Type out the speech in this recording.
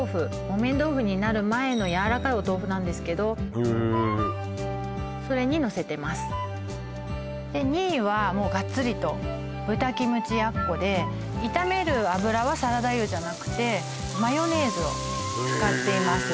木綿豆腐になる前のやわらかいお豆腐なんですけどそれにのせてますで２位はもうガッツリと豚キムチ奴で炒める油はサラダ油じゃなくてマヨネーズを使っています